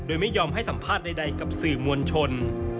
โดยไม่ยอมให้สัมภาษณ์ใดกับสื่อมวลชน